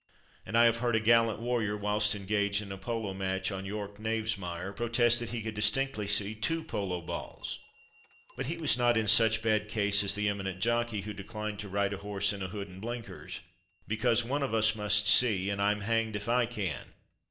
And I have heard a gallant warrior, whilst engaged in a Polo match on York Knavesmire, protest that he could distinctly see two Polo balls. But he was not in such bad case as the eminent jockey who declined to ride a horse in a hood and blinkers, because "one of us must see, and I'm hanged if I can!"